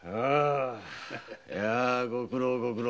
いやご苦労ご苦労。